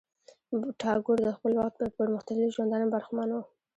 ټاګور د خپل وخت د پرمختللی ژوندانه برخمن وو.